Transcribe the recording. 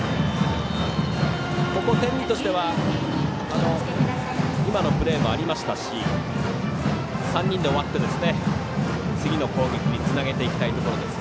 天理としては今のプレーもありましたし３人で終わって、次の攻撃につなげていきたいところです。